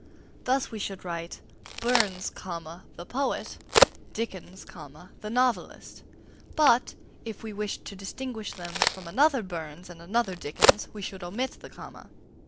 Thus we should write "Burns, the poet," "Dickens, the novelist"; but, if we wished to distinguish them from another Burns and another Dickens, we should omit the comma.